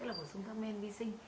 tức là bổ sung các men vi sinh